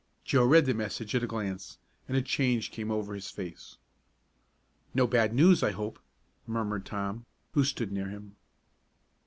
Joe read the message at a glance, and a change came over his face. "No bad news, I hope," murmured Tom, who stood near him.